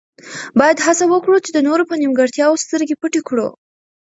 باید هڅه وکړو چې د نورو په نیمګړتیاوو سترګې پټې کړو.